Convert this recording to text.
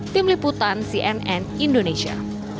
tim liputan cnn indonesia